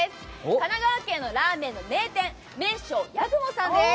神奈川県のラーメンの名店、麺匠八雲さんです。